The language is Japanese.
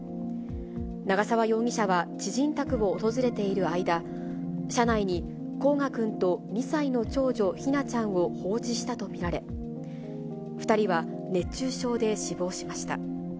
長沢容疑者は知人宅を訪れている間、車内に煌翔くんと２歳の長女、姫梛ちゃんを放置したと見られ、２人は熱中症で死亡しました。